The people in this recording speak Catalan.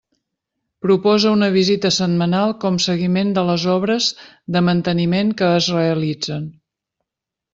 Proposa una visita setmanal com seguiment de les obres de manteniment que es realitzen.